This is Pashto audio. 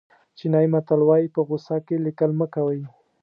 چینایي متل وایي په غوسه کې لیکل مه کوئ.